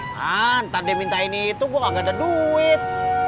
nah entar dia minta ini itu gue nggak ada duit